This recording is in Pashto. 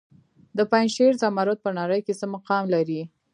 د پنجشیر زمرد په نړۍ کې څه مقام لري؟